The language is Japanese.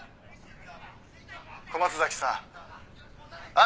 「小松崎さん」